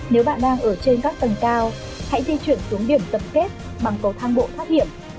nếu bạn đang ở trên các tầng cao hãy di chuyển xuống điểm tập kết bằng cầu thang bộ thoát hiểm